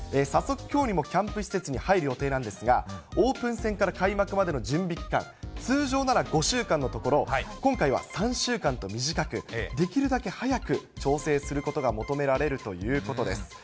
早速、きょうにもキャンプ施設に入る予定なんですが、オープン戦から開幕までの準備期間、通常なら５週間のところ、今回は３週間と短く、できるだけ早く調整することが求められるということです。